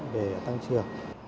về tăng trưởng